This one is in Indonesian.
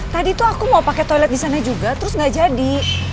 tadi tuh aku mau pakai toilet di sana juga terus gak jadi